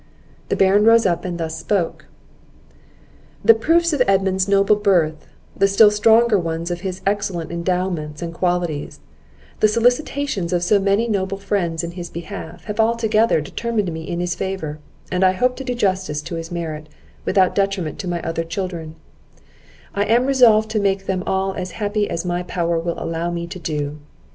The Baron rose up, and thus spoke: "The proofs of Edmund's noble birth, the still stronger ones of his excellent endowments and qualities, the solicitations of so many noble friends in his behalf, have altogether determined me in his favour; and I hope to do justice to his merit, without detriment to my other children; I am resolved to make them all as happy as my power will allow me to do.